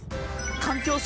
環境省